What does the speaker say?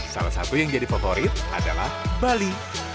salah satu yang jadi favorit adalah bali